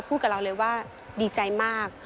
กับเราเลยว่าดีใจมาก